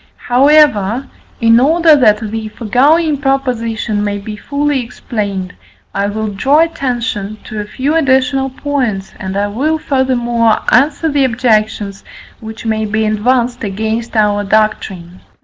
However, in order that the foregoing proposition may be fully explained, I will draw attention to a few additional points, and I will furthermore answer the objections which may be advanced against our doctrine.